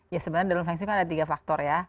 ya sebenarnya dalam feng shu kan ada tiga faktor ya